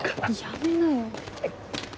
やめなよ。